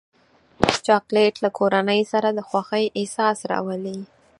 چاکلېټ له کورنۍ سره د خوښۍ احساس راولي.